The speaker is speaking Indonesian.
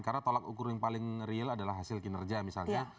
karena tolak ukur yang paling real adalah hasil kinerja misalnya